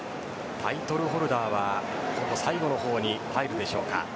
タイトルホルダーは最後の方に入るでしょうか。